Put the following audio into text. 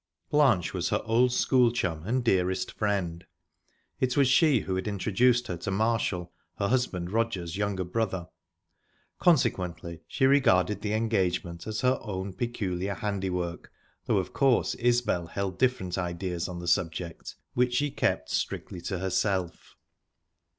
Blanche was her old school chum and dearest friend. It was she who had introduced her to Marshall (her husband Roger's younger brother); consequently, she regarded the engagement as her own peculiar handiwork, though of course Isbel held different ideas on the subject, which she kept strictly to herself.